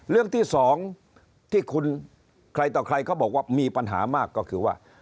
เรื่องที่สองที่คุณใครต่อใครเขาบอกว่ามีปัญหามากก็คือว่า